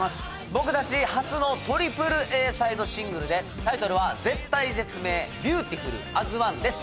僕達初のトリプルＡサイドシングルでタイトルは「絶体絶命／Ｂｅａｕｔｉｆｕｌ／ＡＳＯＮＥ」です